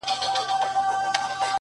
د ژوندون ساز كي ائينه جوړه كړي”